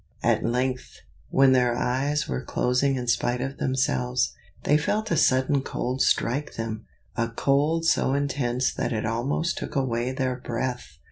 At length, when their eyes were closing in spite of themselves, they felt a sudden cold strike them, a cold so intense that it almost took away their breath.